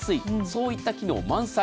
そういった機能満載。